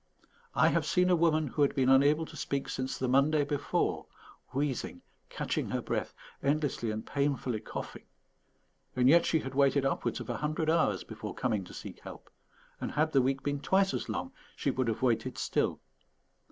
I have seen a woman who had been unable to speak since the Monday before, wheezing, catching her breath, endlessly and painfully coughing; and yet she had waited upwards of a hundred hours before coming to seek help, and had the week been twice as long, she would have waited still.